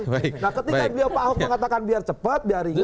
nah ketika beliau pak ahok mengatakan biar cepat biar ringan